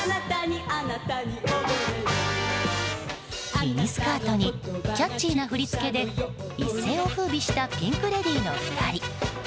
ミニスカートにキャッチーな振り付けで一世を風靡したピンク・レディーの２人。